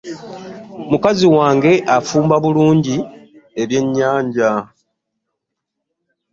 Mukazi wange afumba bulungi ebyennyanja.